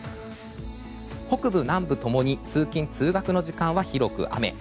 北部、南部共に通勤・通学の時間は広く雨。